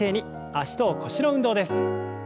脚と腰の運動です。